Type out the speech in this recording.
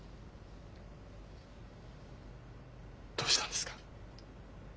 どうしたんですか？